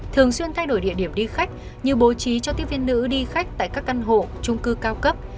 thường xuyên thay đổi địa điểm đi khách như bố trí cho tiếp viên nữ đi khách tại các căn hộ trung cư cao cấp